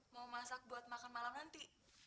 mau masak buat makan malam nanti